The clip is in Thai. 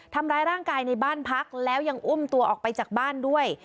ทำร้ายร่างกายในบ้านพักแล้วยังอุ้มตัวออกไปจากบ้านด้วย